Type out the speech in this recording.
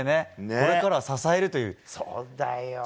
これからは支えるという。